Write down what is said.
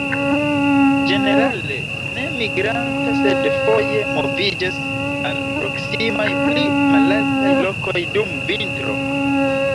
Ĝenerale ne migranta, sed foje moviĝas al proksimaj pli malaltaj lokoj dum vintro.